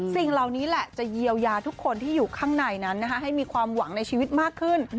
สิ่งเหล่านี้แหละจะเยียวยาทุกคนที่อยู่ข้างในนั้นให้มีความหวังในชีวิตมากขึ้น